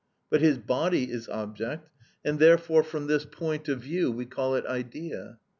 But his body is object, and therefore from this point of view we call it idea.